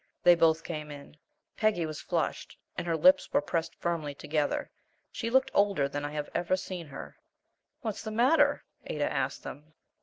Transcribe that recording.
They both came in. Peggy was flushed, and her lips were pressed firmly together. She looked older than I have ever seen her. "What's the matter?" Ada asked them.